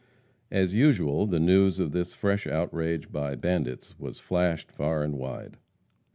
As usual, the news of this fresh outrage by bandits was flashed far and wide.